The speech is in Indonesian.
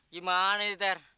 gimana itu ter